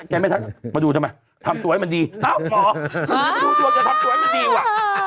ไม่ทักมาดูทำไมทำตัวให้มันดีเอ้าหมอดูดวงจะทำตัวให้มันดีว่ะ